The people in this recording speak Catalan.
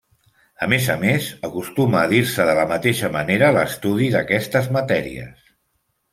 A més a més, acostuma a dir-se de la mateixa manera l'estudi d'aquestes matèries.